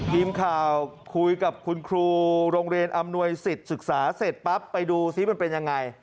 ทีมข่าวคุยกับคุณครูโรงเรียนอำนวยสิทธิ์ศึกษาเสร็จปั๊บไปดูซิมันเป็นยังไง